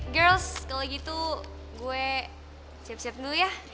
girls kalau gitu gue siap siap dulu ya